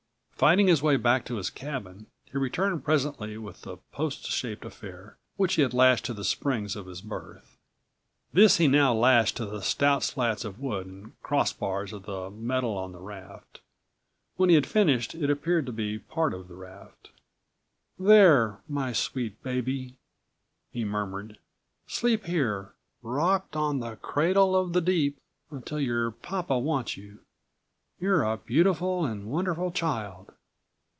Fighting his way back to his cabin, he returned presently with the post shaped affair which he had lashed to the springs of his berth. This he now lashed to the stout slats of wood and crossbars of metal on the raft. When he had finished it appeared to be part of the raft. "There, my sweet baby," he murmured, "sleep here, rocked on the cradle of the deep, until your papa wants you. You're a beautiful and wonderful child!"